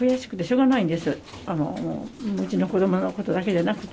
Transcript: うちの子どものことだけじゃなくて。